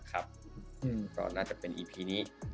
ก็น่าจะเป็นอีพีนี้